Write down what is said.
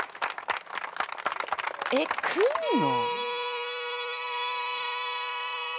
えっ来んの？